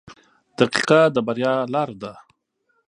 • دقیقه د بریا لار ده.